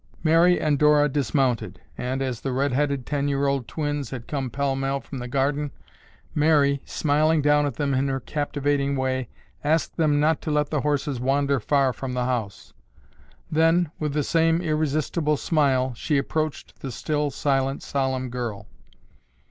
Mary and Dora dismounted, and, as the red headed, ten year old twins had come pell mell from the garden, Mary, smiling down at them in her captivating way, asked them not to let the horses wander far from the house. Then, with the same irresistible smile, she approached the still silent, solemn girl.